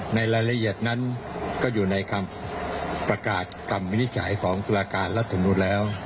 ในรายละเอียดนั้นก็อยู่ในคำประกาศคำวินิจฉัยของตุลาการรัฐมนุนแล้ว